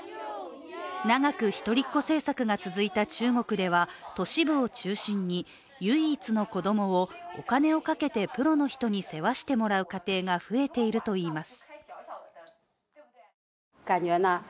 長く一人っ子政策が続いた中国では都市部を中心に唯一の子供をお金をかけてプロの人に世話をしてもらう家庭が増えているといいます。